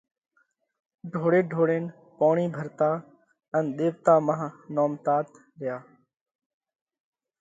ڍوڙي ڍوڙينَ پوڻِي ڀرتا ان ۮيوَتا مانه نومتات ريا۔